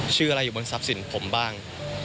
ชื่ออะไรอยู่บนทรัพย์สินผมบ้าง